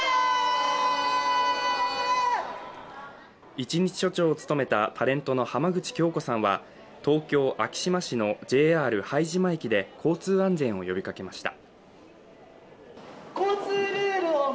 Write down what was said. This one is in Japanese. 一日署長を務めたタレントの浜口京子さんは東京・昭島市のＪＲ拝島駅で交通安全を呼びかけました。